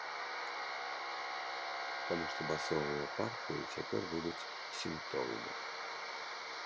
Таму што басовыя партыі цяпер будуць сінтовымі.